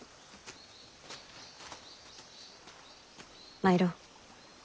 参ろう。